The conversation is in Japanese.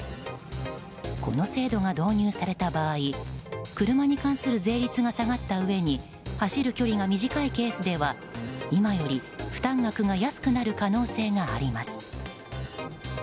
この制度が導入された場合車に関する税率が下がったうえに走る距離が短いケースでは今より負担額が安くなる可能性があります。